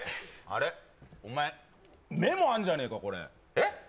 あれお前メモあんじゃねえかこれえっ？